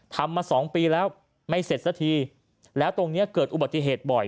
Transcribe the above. ทำมาสองปีแล้วไม่เสร็จสักทีแล้วตรงนี้เกิดอุบัติเหตุบ่อย